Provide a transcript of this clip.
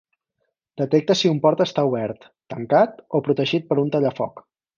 Detecta si un port està obert, tancat, o protegit per un tallafoc.